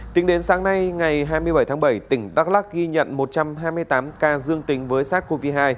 tính đến sáng nay ngày hai mươi bảy tháng bảy tỉnh đắk lắc ghi nhận một trăm hai mươi tám ca dương tính với sars cov hai